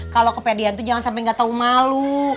kalau kepedean itu jangan sampai nggak tahu malu